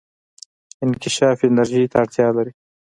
انکشاف انرژي ته اړتیا لري.